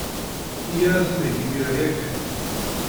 Iyya ad t-neg imir-a ya kan.